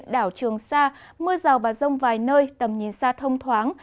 đảo trường sa mưa rào và rông vài nơi tầm nhìn xa thông thoáng